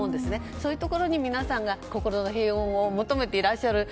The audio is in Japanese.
そういうところに皆さんが心の平穏を求めていらっしゃる。